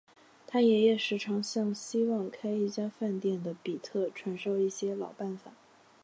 他爷爷时常向希望开一家饭馆的比特传授一些老方法。